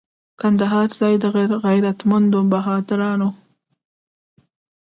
کندهار ځای د غیرتمنو بهادرانو.